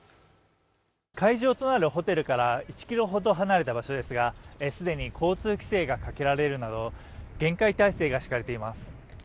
会場となるホテルから１ｋｍほど離れた場所ですが既に交通規制がかけられるなど厳戒体制が敷かれています。